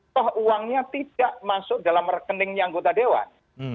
toh uangnya tidak masuk dalam rekeningnya anggota dewan